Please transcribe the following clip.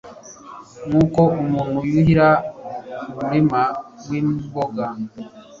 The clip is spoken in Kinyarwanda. nkuko umuntu yuhira umurima wimboga